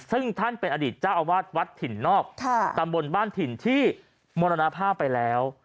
ซึ่งท่านเป็นอดีตเจ้าอาวาสวัดถิ่นนอกตำบลบ้านถิ่นที่มรณภาพไปแล้ว